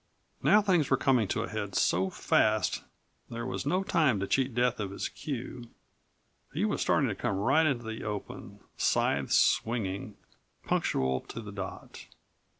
Now things were coming to a head so fast there was no time to cheat Death of his cue. He was starting to come right out into the open, scythe swinging, punctual to the dot.